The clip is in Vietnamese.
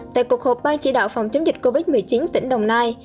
tại cuộc họp ban chỉ đạo phòng chống dịch covid một mươi chín tỉnh đồng nai